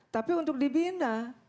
tapi untuk dibina